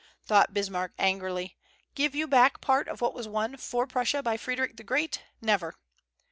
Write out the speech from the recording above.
thought Bismarck, angrily, "give you back part of what was won for Prussia by Frederic the Great? Never!"